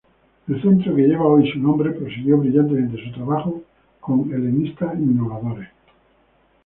El Centro que lleva hoy su nombre prosiguió brillantemente su trabajo con helenista innovadores.